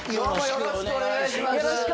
よろしくお願いします。